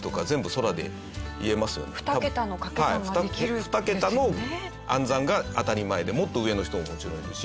二桁の暗算が当たり前でもっと上の人ももちろんいるし。